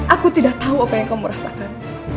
aku tidak tahu apa yang kamu rasakan